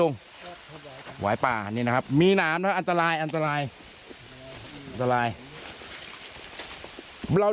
ลุงหวายป่านี่นะครับมีน้ำอันตรายอันตรายอันตรายเรา